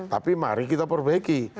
tapi mari kita perbaiki